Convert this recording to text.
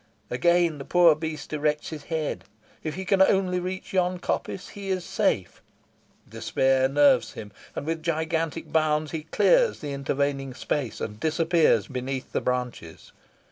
Again the poor beast erects his head if he can only reach yon coppice he is safe. Despair nerves him, and with gigantic bounds he clears the intervening space, and disappears beneath the branches.